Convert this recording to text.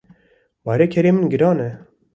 Barê kerê min giran e.